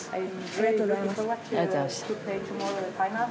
ありがとうございます。